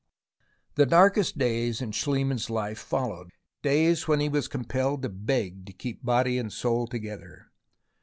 The darkest days in Schliemann's life followed, days when he was compelled to beg to keep body and soul together.